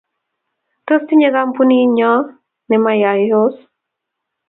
Tos tinyei kompyutait nemayos?